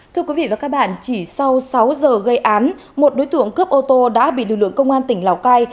thưa quý vị và các bạn chỉ sau sáu giờ gây án một đối tượng cướp ô tô đã bị lực lượng công an tỉnh lào cai